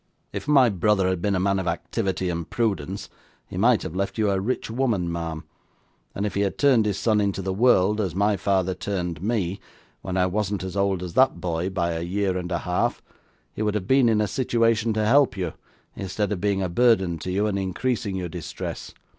If my brother had been a man of activity and prudence, he might have left you a rich woman, ma'am: and if he had turned his son into the world, as my father turned me, when I wasn't as old as that boy by a year and a half, he would have been in a situation to help you, instead of being a burden upon you, and increasing your distress.